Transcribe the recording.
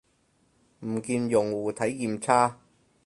唔見用戶體驗差